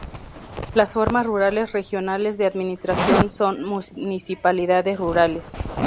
Las formas rurales regionales de administración son municipalidades rurales.